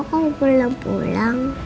kok belum pulang